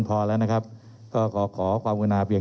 เรามีการปิดบันทึกจับกลุ่มเขาหรือหลังเกิดเหตุแล้วเนี่ย